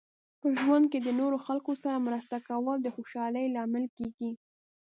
په ژوند کې د نورو خلکو سره مرسته کول د خوشحالۍ لامل کیږي.